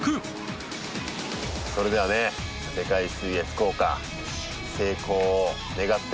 それではね世界水泳福岡成功を願って。